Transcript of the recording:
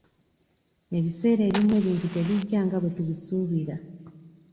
Ebiseera ebimu ebintu tebijja nga bwe tubisuubira.